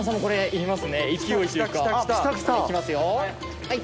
いきますよはい。